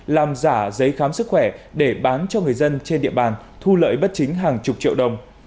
làm giả giấy khám sức khỏe để bán cho người dân trên địa bàn thu lợi bất chính hàng chục triệu đồng